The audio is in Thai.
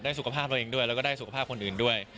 สุขภาพตัวเองด้วยแล้วก็ได้สุขภาพคนอื่นด้วย